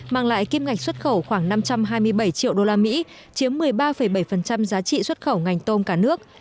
mang lại kim ngạch xuất khẩu khoảng năm trăm hai mươi bảy triệu usd chiếm một mươi ba bảy giá trị xuất khẩu ngành tôm cả nước